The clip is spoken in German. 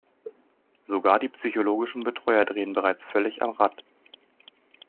Sogar die psychologischen Betreuer drehen bereits völlig am Rad.